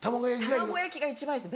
卵焼きが一番いいです